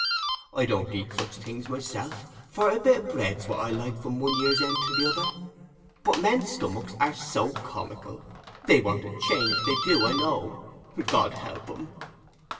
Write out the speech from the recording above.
I don't eat such things myself, for a bit o' bread's what I like from one year's end to the other; but men's stomichs are made so comical, they want a change—they do, I know, God help 'em."